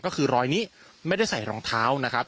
ก็คือรอยนี้ไม่ได้ใส่รองเท้านะครับ